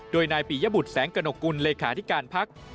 โดยนายปียบุตรแสงกระหกกุลเลขาธิการพัก